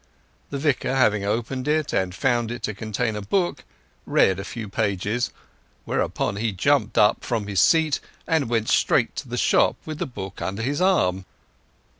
The Vicar having opened it and found it to contain a book, read a few pages; whereupon he jumped up from his seat and went straight to the shop with the book under his arm.